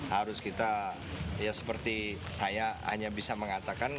harus kita ya seperti saya hanya bisa mengatakan